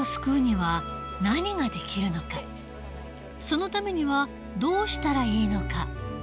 そのためにはどうしたらいいのか。